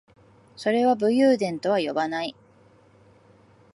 それは武勇伝とは呼ばない